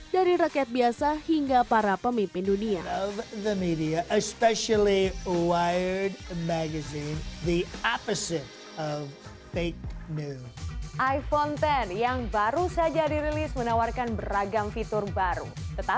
dari rakyat biasa hingga para pemimpin dunia